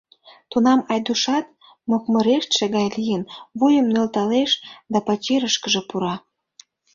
Тунам Айдушат, мокмырештше гай лийын, вуйым нӧлталеш да пачерышкыже пура.